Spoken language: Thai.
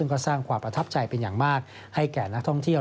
ก็สร้างความประทับใจเป็นอย่างมากให้แก่นักท่องเที่ยว